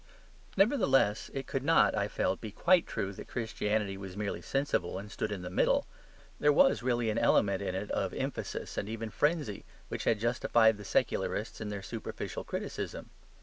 Nevertheless it could not, I felt, be quite true that Christianity was merely sensible and stood in the middle. There was really an element in it of emphasis and even frenzy which had justified the secularists in their superficial criticism.